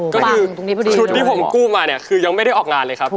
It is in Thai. ก็คือชุดที่ผมกู้มาเนี่ยคือยังไม่ได้ออกงานเลยครับ